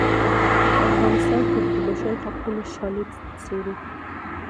په افغانستان کې د بشر حقونو شالید څیړو.